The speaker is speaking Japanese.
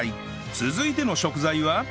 続いての食材は